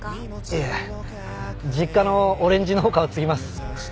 いえ実家のオレンジ農家を継ぎます。